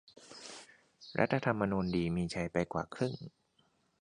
"รัฐธรรมนูญดี มีชัย ไปกว่าครึ่ง"